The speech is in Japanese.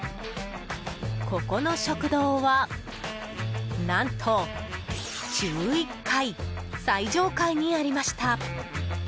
ここの食堂は何と１１階、最上階にありました。